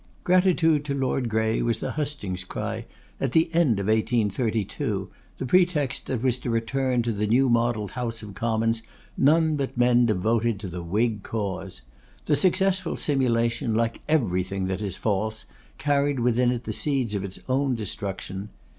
Gratitude to Lord Grey was the hustings cry at the end of 1832, the pretext that was to return to the new modelled House of Commons none but men devoted to the Whig cause. The successful simulation, like everything that is false, carried within it the seeds of its own dissolution.